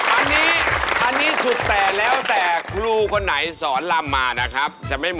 อันรอด์แวอร์โอ้โฮโอ๊ะไม่ใช่เหรอ